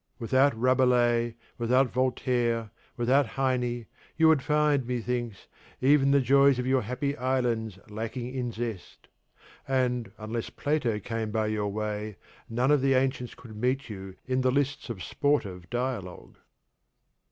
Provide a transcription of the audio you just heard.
Without Rabelais, without Voltaire, without Heine, you would find, methinks, even the joys of your Happy Islands lacking in zest; and, unless Plato came by your way, none of the ancients could meet you in the lists of sportive dialogue.